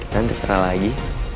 kan terserah lagi